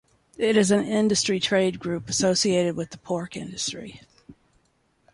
It is an industry trade group associated with the pork industry.